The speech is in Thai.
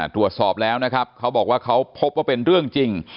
ตรวจสอบแล้วนะครับเขาบอกว่าเขาพบว่าเป็นเรื่องจริง